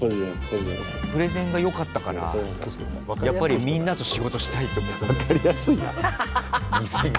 プレゼンがよかったからやっぱりみんなと仕事したいと思ったんだ。